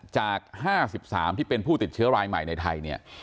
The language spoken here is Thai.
จาก๕๓ที่เป็นผู้ติดเชื้อรายใหม่ในไทยเนี่ย